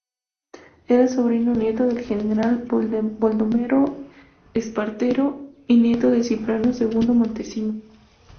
Era sobrino nieto del general Baldomero Espartero y nieto de Cipriano Segundo Montesino.